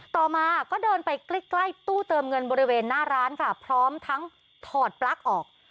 ต่อมาก็เดินไปใกล้ใกล้ตู้เติมเงินบริเวณหน้าร้านค่ะพร้อมทั้งถอดปลั๊กออก